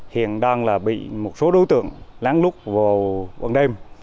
hiện đang là bị một số đối tượng lán lút vào quần đêm